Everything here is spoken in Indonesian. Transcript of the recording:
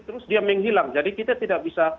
terus dia menghilang jadi kita tidak bisa